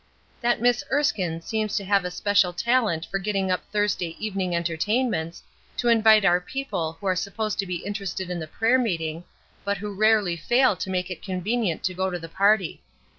"That Miss Erskine seems to have a special talent for getting up Thursday evening entertainments, to invite our people who are supposed to be interested in the prayer meeting, but who rarely fail to make it convenient to go to the party.